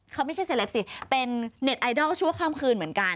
เขาไม่ใช่เซลปสิเป็นเน็ตไอดอลชั่วข้ามคืนเหมือนกัน